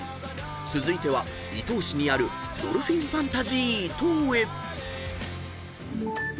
続いては伊東市にある「ドルフィンファンタジー伊東」へ］